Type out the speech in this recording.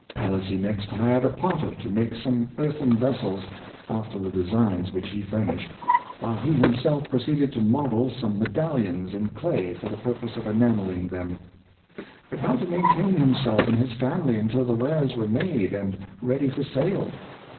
Palissy next hired a potter to make some eartnen vessels after the designs which he furnished, while he himself proceeded to model some medallions in clay for the purpose of enamelling them. But how to maintain himself and his family until the wares were made and ready for sale?